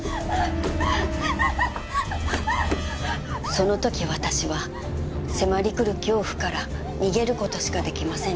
その時私は迫り来る恐怖から逃げる事しかできませんでした